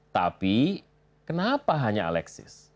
tapi kenapa hanya alexis